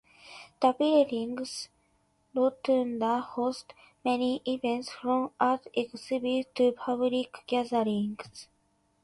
The building's rotunda hosts many events, from art exhibits to public gatherings.